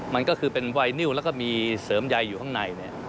มันก็คือเป็นไวนิวแล้วก็มีเสริมใยอยู่ข้างใน